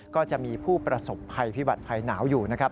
ก็จะมีผู้ประสบภัยพิบัติภัยหนาวอยู่นะครับ